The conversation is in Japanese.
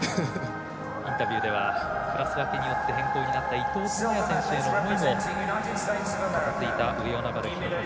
インタビューではクラス分けによって変更になった伊藤智也選手への思いも語っていた上与那原寛和さん